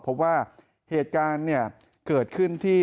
เพราะว่าเหตุการณ์เนี่ยเกิดขึ้นที่